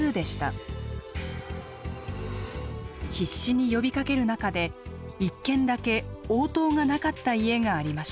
必死に呼びかける中で１軒だけ応答がなかった家がありました。